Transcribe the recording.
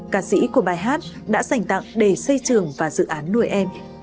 cả sĩ của bài hát đã sành tặng đề xây trường và dự án nuôi em